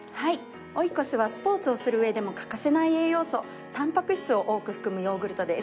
オイコスはスポーツをする上でも欠かせない栄養素タンパク質を多く含むヨーグルトです。